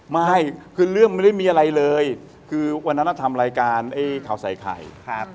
ไม่คือเรื่องไม่ได้มีอะไรเลยคือวันนั้นทำรายการไอ้ข่าวใส่ไข่